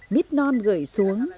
mít non gửi xuống